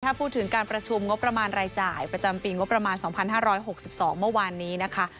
ถ้าพูดถึงการประชุมงบประมาณรายจ่ายประจำปีงบประมาณ๒๕๖๒เมื่อวานนี้นะคะ